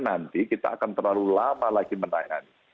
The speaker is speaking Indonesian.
nanti kita akan terlalu lama lagi menangani